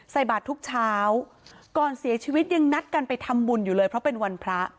ใส่บาททุกเช้าก่อนเสียชีวิตยังนัดกันไปทำบุญอยู่เลยเพราะเป็นวันพระ